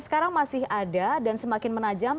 sekarang masih ada dan semakin menajam